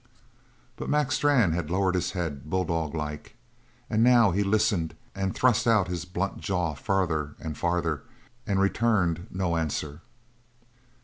But Mac Strann had lowered his head, bulldog like, and now he listened and thrust out his blunt jaw farther and farther and returned no answer.